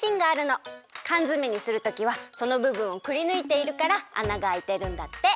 かんづめにするときはそのぶぶんをくりぬいているから穴があいてるんだって。